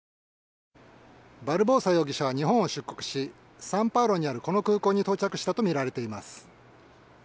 バルボサ容疑者は日本を出国しサンパウロにあるこの空港に到着したとみられています。